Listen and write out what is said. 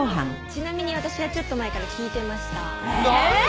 ちなみに私はちょっと前から聞いてました。